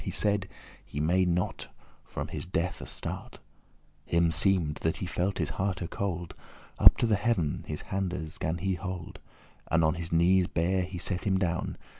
He said, he may not from his death astart.* *escape Him seemed, that he felt his hearte cold. Up to the heav'n his handes gan he hold, And on his knees bare he set him down.